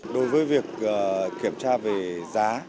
đối với việc kiểm tra về giá